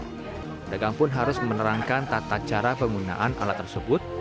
pedagang pun harus menerangkan tata cara penggunaan alat tersebut